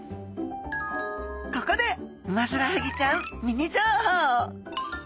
ここでウマヅラハギちゃんミニ情報。